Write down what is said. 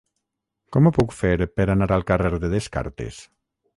Com ho puc fer per anar al carrer de Descartes?